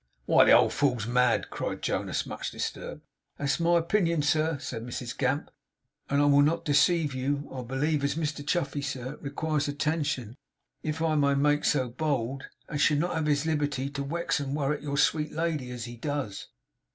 'Why, the old fool's mad!' cried Jonas, much disturbed. 'That's my opinion, sir,' said Mrs Gamp, 'and I will not deceive you. I believe as Mr Chuffey, sir, rekwires attention (if I may make so bold), and should not have his liberty to wex and worrit your sweet lady as he does.